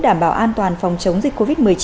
đảm bảo an toàn phòng chống dịch covid một mươi chín